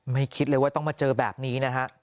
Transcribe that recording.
คิดเลยว่าต้องมาเจอแบบนี้นะฮะ